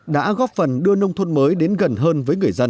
đã góp phần đưa nông thôn mới đến gần hơn với người dân